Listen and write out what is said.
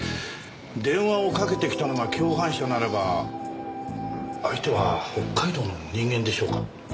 電話をかけてきたのが共犯者ならば相手は北海道の人間でしょうか？